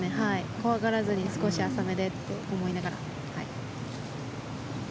怖がらずに少し浅めでと思いながら。